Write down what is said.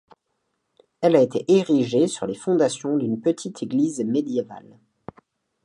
Elle a été érigée sur les fondations d'une petite église médiévale.